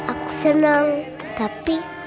aku senang tapi